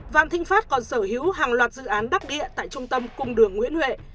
vạn thịnh pháp còn sở hữu hàng loạt dự án đắc địa tại trung tâm cung đường nguyễn huệ